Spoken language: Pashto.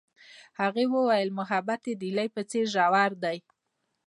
هغې وویل محبت یې د هیلې په څېر ژور دی.